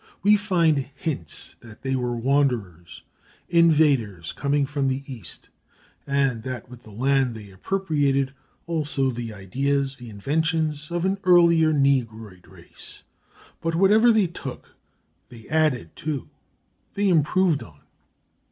We find hints that they were wanderers, invaders, coming from the East, and that with the land they appropriated also the ideas, the inventions, of an earlier negroid race. But whatever they took they added to, they improved on.